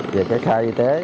về cái khai y tế